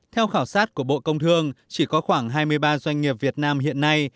theo khảo sát của bộ công thương chỉ có khoảng hai mươi ba doanh nghiệp việt nam hiện nay